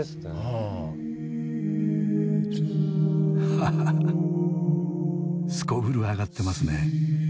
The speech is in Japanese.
ハハハすこぶるアガってますねえ。